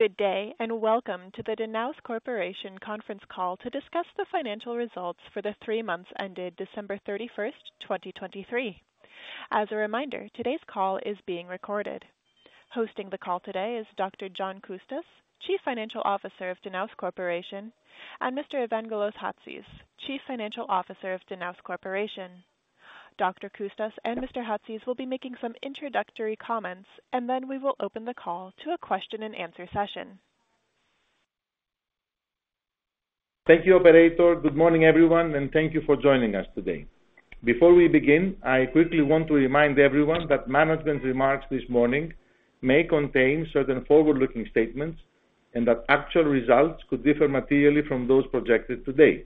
Good day and Welcome to the Danaos Corporation Conference Call to discuss the Financial Results for the three months ended 31st December 2023. As a reminder, today's call is being recorded. Hosting the call today is Dr. John Coustas, Chief Executive Officer of Danaos Corporation, and Mr. Evangelos Chatzis, Chief Financial Officer of Danaos Corporation. Dr. Coustas and Mr. Chatzis will be making some introductory comments, and then we will open the call to a question-and-answer session. Thank you, Operator. Good morning, everyone, and thank you for joining us today. Before we begin, I quickly want to remind everyone that management's remarks this morning may contain certain forward-looking statements and that actual results could differ materially from those projected today.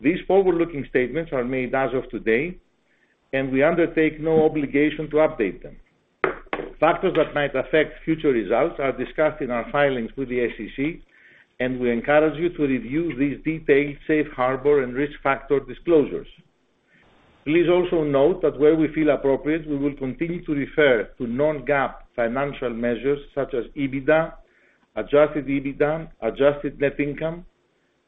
These forward-looking statements are made as of today, and we undertake no obligation to update them. Factors that might affect future results are discussed in our filings with the SEC, and we encourage you to review these detailed safe harbor and risk factor disclosures. Please also note that where we feel appropriate, we will continue to refer to non-GAAP financial measures such as EBITDA, adjusted EBITDA, adjusted net income,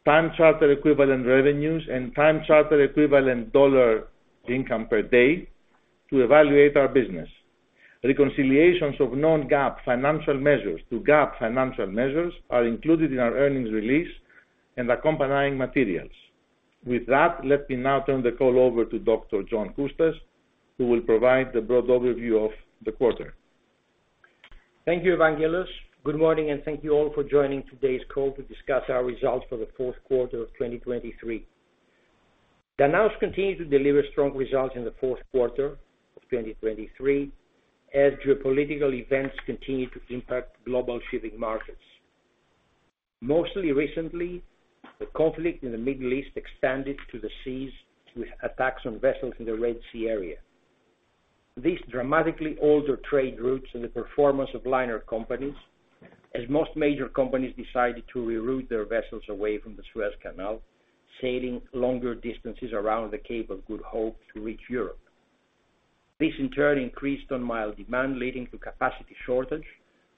time-charter equivalent revenues, and time-charter equivalent dollar income per day to evaluate our business. Reconciliations of non-GAAP financial measures to GAAP financial measures are included in our earnings release and accompanying materials. With that, let me now turn the call over to Dr. John Coustas, who will provide the broad overview of the quarter. Thank you, Evangelos. Good morning, and thank you all for joining today's call to discuss our results for the Q4 of 2023. Danaos continues to deliver strong results in the Q4 of 2023 as geopolitical events continue to impact global shipping markets. Most recently, the conflict in the Middle East expanded to the seas with attacks on vessels in the Red Sea area. This dramatically altered trade routes and the performance of liner companies, as most major companies decided to reroute their vessels away from the Suez Canal, sailing longer distances around the Cape of Good Hope to reach Europe. This, in turn, increased ton-mile demand, leading to capacity shortage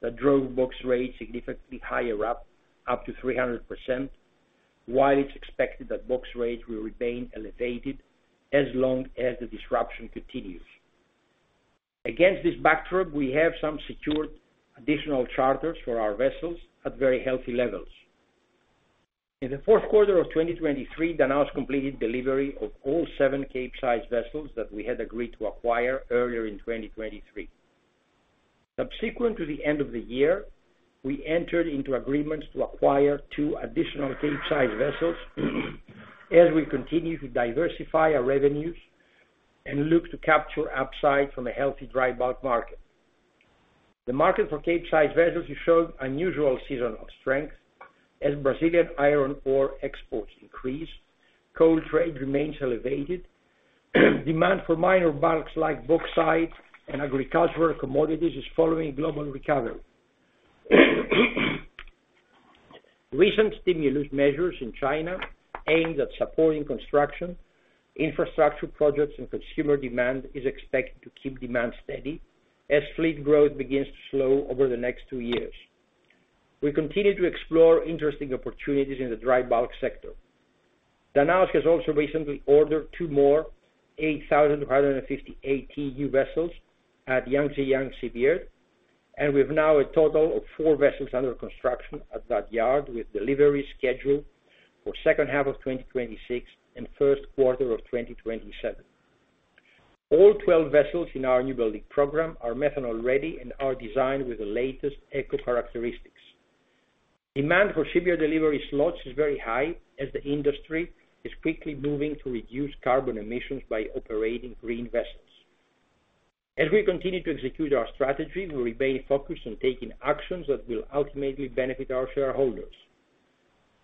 that drove box rates significantly higher, up to 300%, while it's expected that box rates will remain elevated as long as the disruption continues. Against this backdrop, we have some secured additional charters for our vessels at very healthy levels. In the Q4 of 2023, Danaos completed delivery of all seven Capesize vessels that we had agreed to acquire earlier in 2023. Subsequent to the end of the year, we entered into agreements to acquire two additional Capesize vessels as we continue to diversify our revenues and look to capture upside from a healthy dry bulk market. The market for Capesize vessels has shown unusual seasonal strength as Brazilian iron ore exports increase, coal trade remains elevated, demand for minor bulks like bauxite, and agricultural commodities is following global recovery. Recent stimulus measures in China aimed at supporting construction, infrastructure projects, and consumer demand are expected to keep demand steady as fleet growth begins to slow over the next two years. We continue to explore interesting opportunities in the dry bulk sector. Danaos has also recently ordered to more 8,250 TEU vessels at Yangzijiang Shipbuilding, and we have now a total of 4 vessels under construction at that yard with deliveries scheduled for second half of 2026 and first quarter of 2027. All 12 vessels in our new building program are methanol-ready and are designed with the latest ECO characteristics. Demand for shipyard delivery slots is very high as the industry is quickly moving to reduce carbon emissions by operating green vessels. As we continue to execute our strategy, we remain focused on taking actions that will ultimately benefit our shareholders.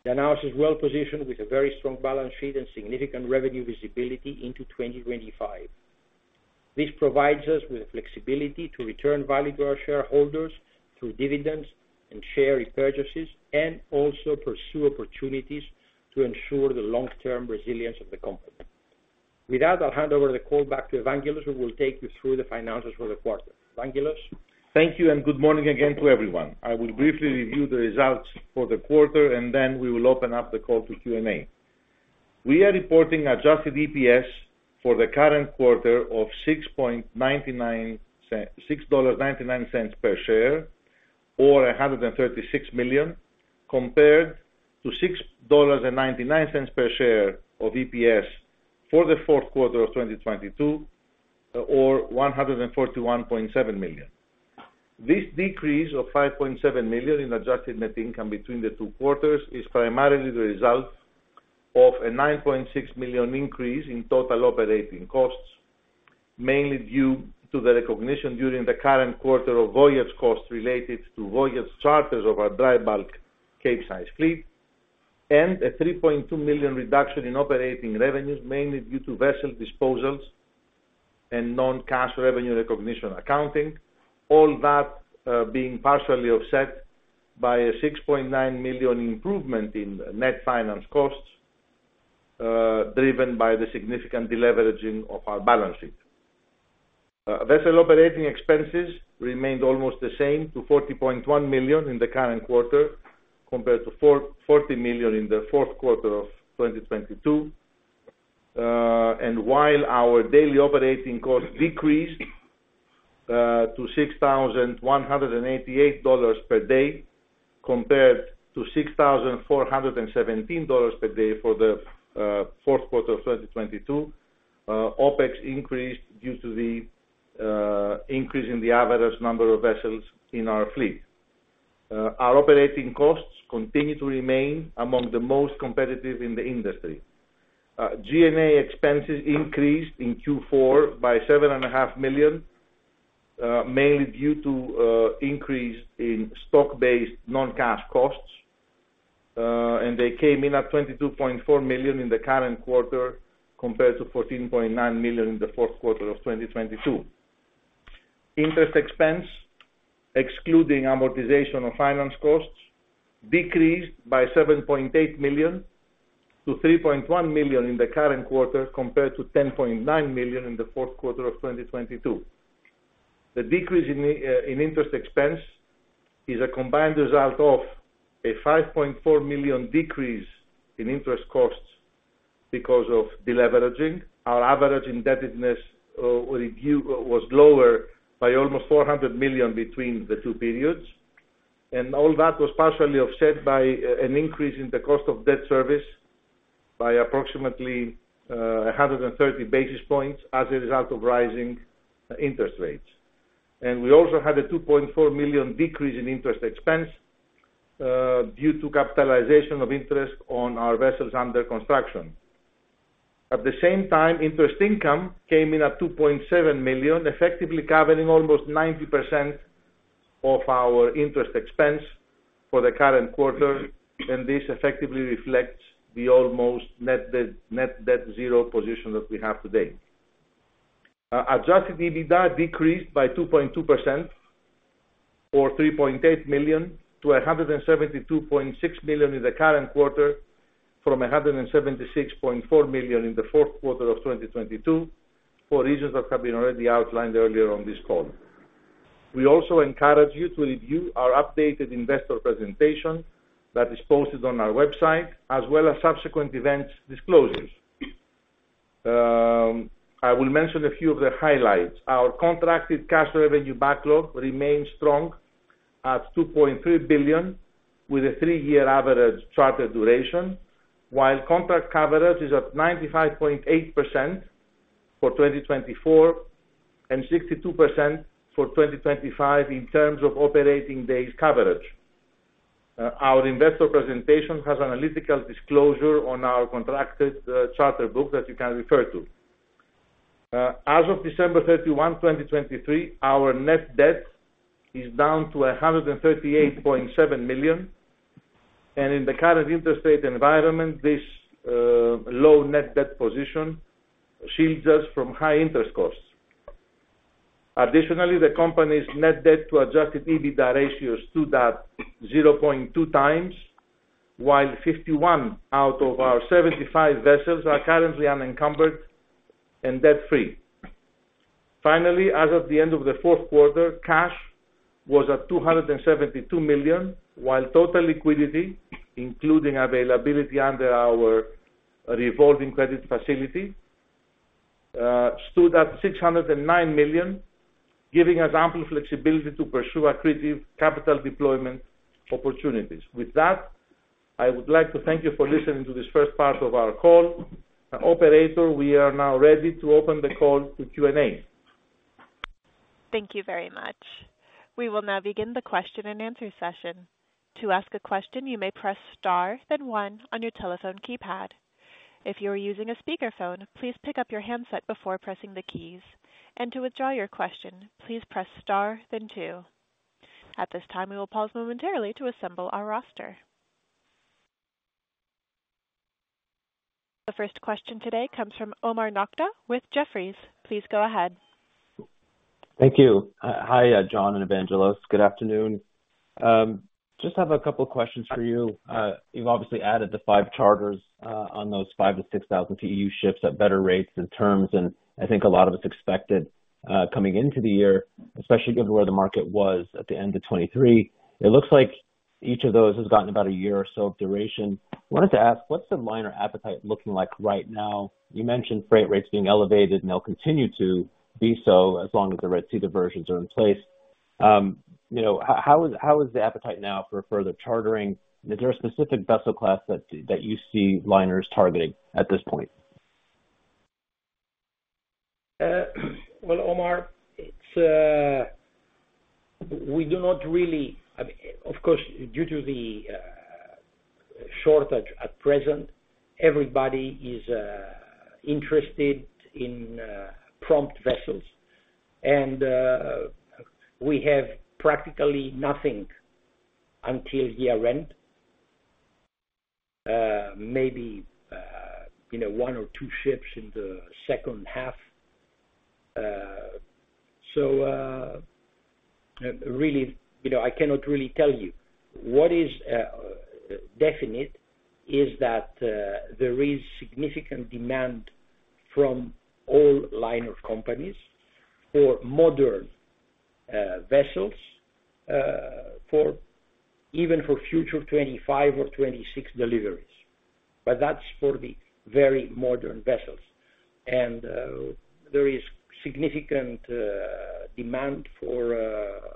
Danaos is well positioned with a very strong balance sheet and significant revenue visibility into 2025. This provides us with flexibility to return value to our shareholders through dividends and share repurchases, and also pursue opportunities to ensure the long-term resilience of the company. With that, I'll hand over the call back to Evangelos, who will take you through the finances for the quarter. Evangelos? Thank you, and good morning again to everyone. I will briefly review the results for the quarter, and then we will open up the call to Q&A. We are reporting Adjusted EPS for the current quarter of $6.99 per share, or $136 million, compared to $6.99 per share of EPS for the Q4 of 2022, or $141.7 million. This decrease of $5.7 million in Adjusted Net Income between the two quarters is primarily the result of a $9.6 million increase in total operating costs, mainly due to the recognition during the current quarter of voyage costs related to voyage charters of our dry bulk Capesize fleet, and a $3.2 million reduction in operating revenues, mainly due to vessel disposals and non-cash revenue recognition accounting, all that being partially offset by a $6.9 million improvement in net finance costs driven by the significant deleveraging of our balance sheet. Vessel operating expenses remained almost the same to $40.1 million in the current quarter compared to $40 million in the Q4 of 2022. While our daily operating costs decreased to $6,188 per day compared to $6,417 per day for the Q4 of 2022, OPEX increased due to the increase in the average number of vessels in our fleet. Our operating costs continue to remain among the most competitive in the industry. G&A expenses increased in Q4 by $7.5 million, mainly due to an increase in stock-based non-cash costs, and they came in at $22.4 million in the current quarter compared to $14.9 million in the Q4 of 2022. Interest expense, excluding amortization of finance costs, decreased by $7.8 million to $3.1 million in the current quarter compared to $10.9 million in the Q4 of 2022. The decrease in interest expense is a combined result of a $5.4 million decrease in interest costs because of deleveraging. Our average indebtedness review was lower by almost $400 million between the two periods, and all that was partially offset by an increase in the cost of debt service by approximately 130 basis points as a result of rising interest rates. We also had a $2.4 million decrease in interest expense due to capitalization of interest on our vessels under construction. At the same time, interest income came in at $2.7 million, effectively covering almost 90% of our interest expense for the current quarter, and this effectively reflects the almost net debt zero position that we have today. Adjusted EBITDA decreased by 2.2% or $3.8 million to $172.6 million in the current quarter from $176.4 million in the Q4 of 2022 for reasons that have been already outlined earlier on this call. We also encourage you to review our updated investor presentation that is posted on our website as well as subsequent events disclosures. I will mention a few of the highlights. Our contracted cash revenue backlog remains strong at $2.3 billion with a three-year average charter duration, while contract coverage is at 95.8% for 2024 and 62% for 2025 in terms of operating days coverage. Our investor presentation has analytical disclosure on our contracted charter book that you can refer to. As of 31 December 2023, our net debt is down to $138.7 million, and in the current interest rate environment, this low net debt position shields us from high interest costs. Additionally, the company's net debt to adjusted EBITDA ratio is 2.02x, while 51 out of our 75 vessels are currently unencumbered and debt-free. Finally, as of the end of the Q4, cash was at $272 million, while total liquidity, including availability under our revolving credit facility, stood at $609 million, giving us ample flexibility to pursue accretive capital deployment opportunities. With that, I would like to thank you for listening to this first part of our call. Operator, we are now ready to open the call to Q&A. Thank you very much. We will now begin the question-and-answer session. To ask a question, you may press star, then one, on your telephone keypad. If you are using a speakerphone, please pick up your handset before pressing the keys. To withdraw your question, please press star, then two. At this time, we will pause momentarily to assemble our roster. The first question today comes from Omar Nokta with Jefferies. Please go ahead. Thank you. Hi, John and Evangelos. Good afternoon. Just have a couple of questions for you. You've obviously added the five charters on those 5,000 to 6,000 TEU ships at better rates and terms, and I think a lot of us expected coming into the year, especially given where the market was at the end of 2023. It looks like each of those has gotten about a year or so of duration. I wanted to ask, what's the liner appetite looking like right now? You mentioned freight rates being elevated, and they'll continue to be so as long as the Red Sea diversions are in place. How is the appetite now for further chartering? Is there a specific vessel class that you see liners targeting at this point? Well, Omar, we do not really, of course, due to the shortage at present, everybody is interested in prompt vessels, and we have practically nothing until year-end, maybe one or two ships in the second half. So really, I cannot really tell you. What is definite is that there is significant demand from all liner companies for modern vessels, even for future 2025 or 2026 deliveries. But that's for the very modern vessels. And there is significant demand for,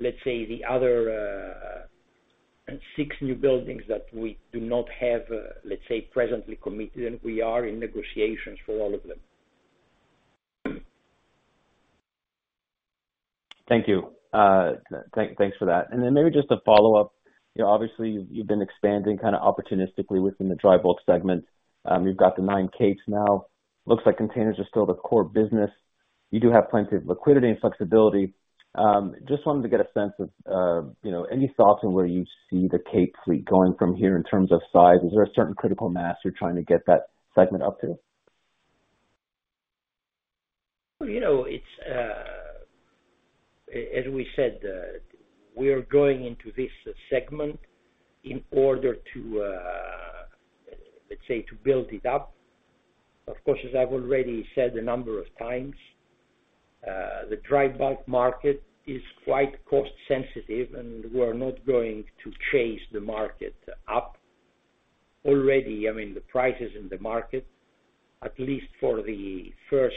let's say, the other six new buildings that we do not have, let's say, presently committed, and we are in negotiations for all of them. Thank you. Thanks for that. Then maybe just a follow-up. Obviously, you've been expanding kind of opportunistically within the dry bulk segment. You've got the nine capes now. Looks like containers are still the core business. You do have plenty of liquidity and flexibility. Just wanted to get a sense of any thoughts on where you see the cape fleet going from here in terms of size. Is there a certain critical mass you're trying to get that segment up to? As we said, we are going into this segment in order to, let's say, build it up. Of course, as I've already said a number of times, the dry bulk market is quite cost-sensitive, and we are not going to chase the market up. Already, I mean, the prices in the market, at least for the first,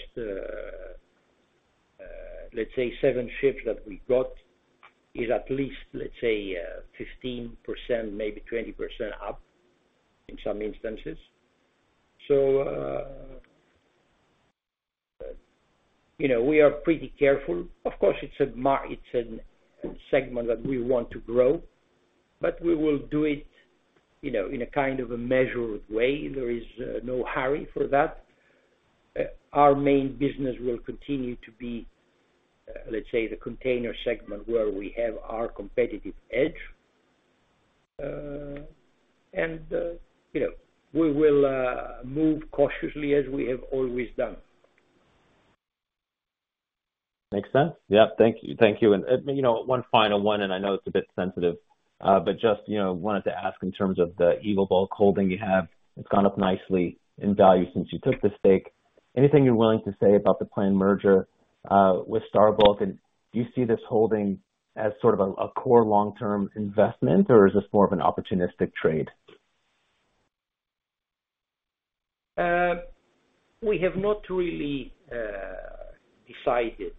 let's say, seven ships that we got, is at least, let's say, 15% to 20% up in some instances. So we are pretty careful. Of course, it's a segment that we want to grow, but we will do it in a kind of a measured way. There is no hurry for that. Our main business will continue to be, let's say, the container segment where we have our competitive edge, and we will move cautiously as we have always done. Makes sense. Yep. Thank you. Thank you. And one final one, and I know it's a bit sensitive, but just wanted to ask in terms of the Eagle Bulk holding you have. It's gone up nicely in value since you took the stake. Anything you're willing to say about the planned merger with Star Bulk? And do you see this holding as sort of a core long-term investment, or is this more of an opportunistic trade? We have not really decided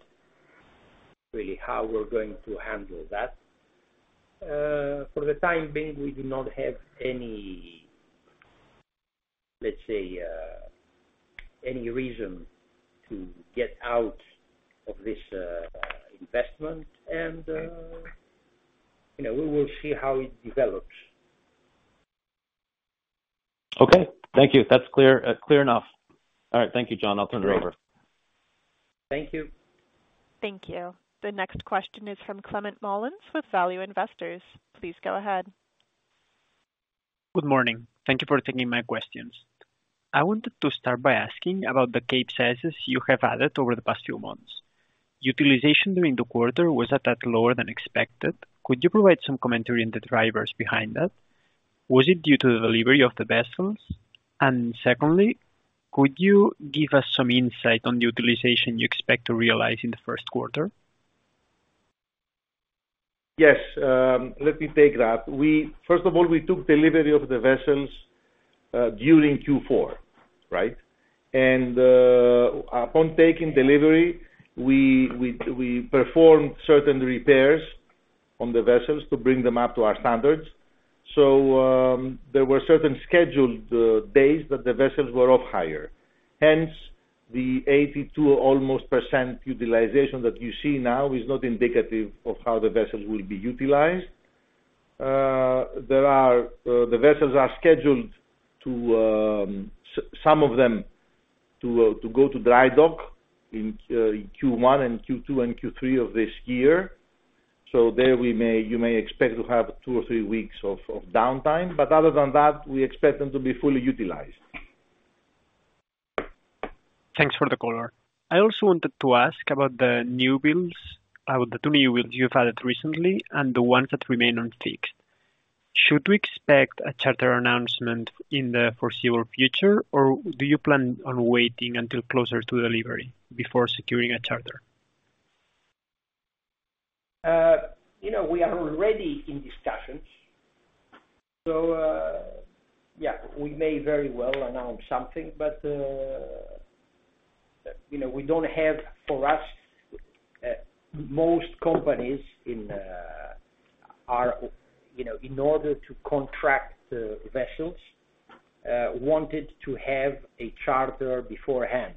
really how we're going to handle that. For the time being, we do not have any, let's say, any reason to get out of this investment, and we will see how it develops. Okay. Thank you. That's clear enough. All right. Thank you, John. I'll turn it over. Thank you. Thank you. The next question is from Clement Mullins with Value Investors. Please go ahead. Good morning. Thank you for taking my questions. I wanted to start by asking about the Capesize you have added over the past few months. Utilization during the quarter was at that lower than expected. Could you provide some commentary on the drivers behind that? Was it due to the delivery of the vessels? And secondly, could you give us some insight on the utilization you expect to realize in the Q1? Yes. Let me take that. First of all, we took delivery of the vessels during Q4, right? And upon taking delivery, we performed certain repairs on the vessels to bring them up to our standards. So there were certain scheduled days that the vessels were off-hire. Hence, the almost 82% utilization that you see now is not indicative of how the vessels will be utilized. The vessels are scheduled, some of them, to go to dry dock in Q1 and Q2 and Q3 of this year. So there you may expect to have two or three weeks of downtime. But other than that, we expect them to be fully utilized. Thanks for the call, color. I also wanted to ask about the new builds, about the two new builds you've added recently and the ones that remain unfixed. Should we expect a charter announcement in the foreseeable future, or do you plan on waiting until closer to delivery before securing a charter? We are already in discussions. So yeah, we may very well announce something, but we don't have for us most companies in order to contract vessels wanted to have a charter beforehand.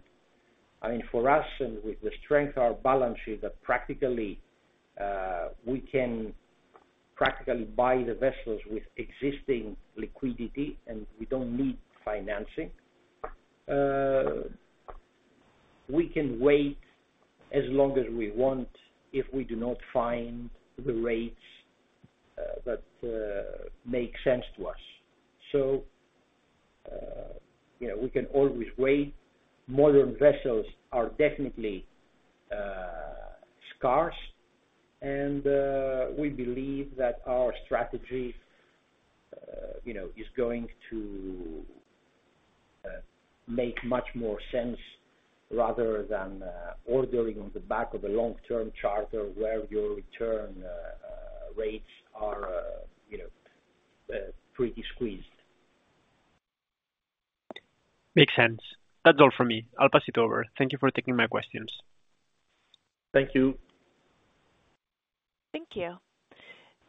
I mean, for us and with the strength of our balance sheet that practically we can practically buy the vessels with existing liquidity, and we don't need financing, we can wait as long as we want if we do not find the rates that make sense to us. So we can always wait. Modern vessels are definitely scarce, and we believe that our strategy is going to make much more sense rather than ordering on the back of a long-term charter where your return rates are pretty squeezed. Makes sense. That's all from me. I'll pass it over. Thank you for taking my questions. Thank you. Thank you.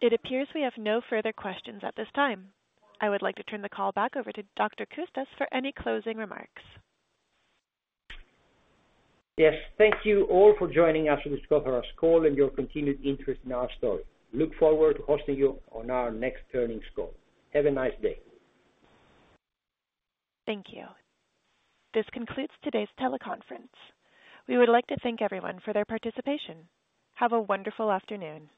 It appears we have no further questions at this time. I would like to turn the call back over to Dr. Coustas for any closing remarks. Yes. Thank you all for joining us to discuss our results and your continued interest in our story. Look forward to hosting you on our next earnings call. Have a nice day. Thank you. This concludes today's teleconference. We would like to thank everyone for their participation. Have a wonderful afternoon.